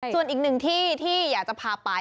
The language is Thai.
ส่วนอีกหนึ่งที่ที่อยากจะพาไป